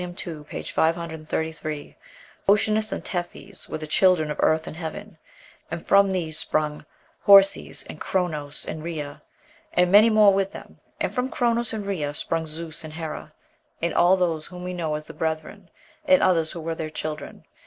ii., p. 533): "Oceanus and Tethys were the children of Earth and Heaven, and from these sprung Phorcys, and Chronos, and Rhea, and many more with them; and from Chronos and Rhea sprung Zeus and Hera, and all those whom we know as their brethren, and others who were their children."